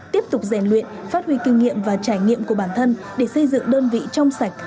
tiếp tục rèn luyện phát huy kinh nghiệm và trải nghiệm của bản thân để xây dựng đơn vị trong sạch